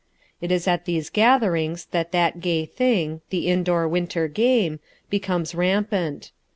It is at these gatherings that that gay thing, the indoor winter game, becomes rampant.